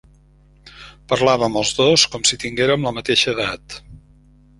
Parlàvem els dos com si tinguérem la mateixa edat.